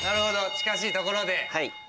近いところで。